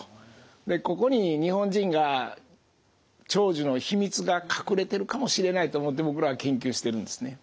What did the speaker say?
でここに日本人が長寿の秘密が隠れてるかもしれないと思って僕らは研究しているんですね。